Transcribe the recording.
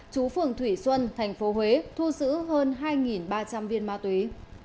chú phường thủy xuân tp huế thu giữ hơn hai ba trăm linh viên ma túy